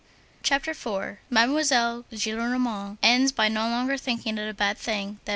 CHAPTER IV—MADEMOISELLE GILLENORMAND ENDS BY NO LONGER THINKING IT A BAD THING THAT M.